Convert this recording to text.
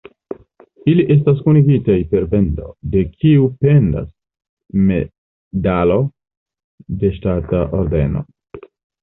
Ili estas kunigitaj per bendo, de kiu pendas medalo de ŝtata ordeno.